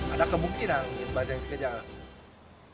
ada kemungkinan yang banyak yang kejalan